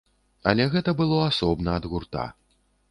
Але гэта было асобна ад гурта.